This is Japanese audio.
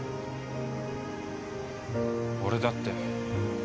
俺だって。